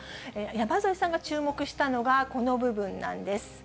山添さんが注目したのが、この部分なんです。